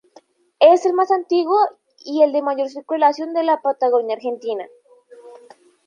Es el más antiguo y el de mayor circulación de la Patagonia Argentina.